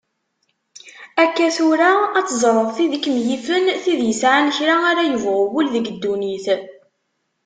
Akka tura ad teẓreḍ tid i kem-yifen, tid yesɛan kra ara yebɣu wul deg dunnit.